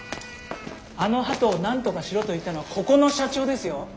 あのハトをなんとかしろと言ったのはここの社長ですよ？